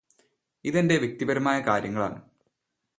ഇതെന്റെ വ്യക്തിപരമായ കാര്യങ്ങളാണ്